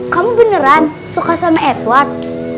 kamu beneran suka sama edward